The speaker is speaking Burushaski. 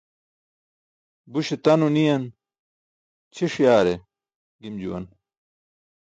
Buśe tano niyan ćʰiṣ yaare gim juwan.